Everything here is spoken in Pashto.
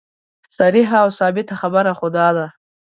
صریحه او ثابته خبره خو دا ده.